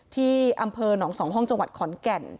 ที่อำเภอหนอง๒ห้องจังหวัดขอนแก่น